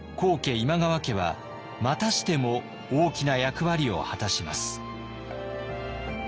今川家はまたしても大きな役割を果たします。